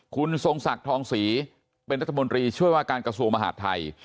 คุณทรงศักดิ์ทองศรีเป็นรัฐมนตรีช่วยว่าการกระทรวงมหาดไทย